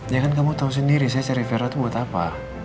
ya kan kamu tahu sendiri saya cari vera itu buat apa